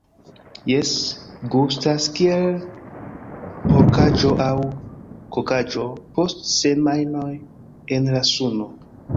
Jes, gustas kiel porkaĵo aŭ kokaĵo post semajnoj en la suno